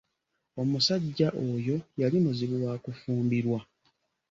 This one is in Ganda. Omusajja oyo yali muzibu wa kufumbirwa.